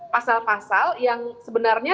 pasal pasal yang sebenarnya